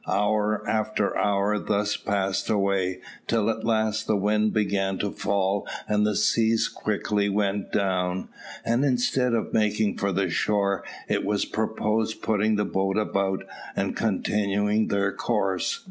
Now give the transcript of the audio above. Hour after hour thus passed away, till at last the wind began to fall and the sea quickly went down; and, instead of making for the shore, it was proposed putting the boat about and continuing their course.